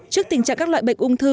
trước tình trạng các loại bệnh ung thư